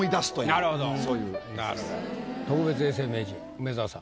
特別永世名人梅沢さん。